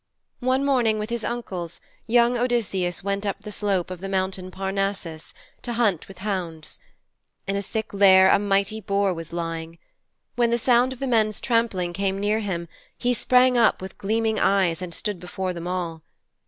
One morning, with his uncles, young Odysseus went up the slope of the mountain Parnassus, to hunt with hounds. In a thick lair a mighty boar was lying. When the sound of the men's trampling came near him, he sprang up with gleaming eyes and stood before them all.